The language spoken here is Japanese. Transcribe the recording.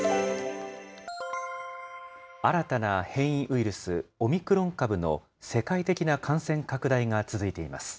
新たな変異ウイルス、オミクロン株の世界的な感染拡大が続いています。